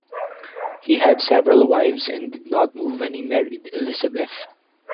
He had several wives and did not move when he married Elisabeth.